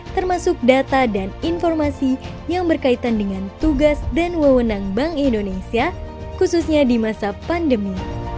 termasuk data dan informasi yang berkaitan dengan tugas dan wewenang bank indonesia khususnya di masa pandemi